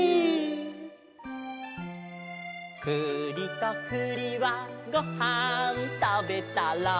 「くりとくりはごはんたべたら」